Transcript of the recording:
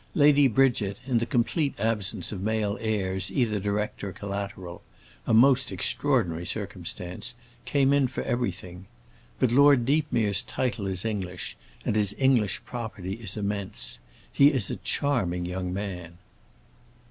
Lady Bridget, in the complete absence of male heirs, either direct or collateral—a most extraordinary circumstance—came in for everything. But Lord Deepmere's title is English and his English property is immense. He is a charming young man."